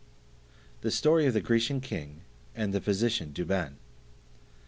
The Story of the Grecian King and the Physician Douban.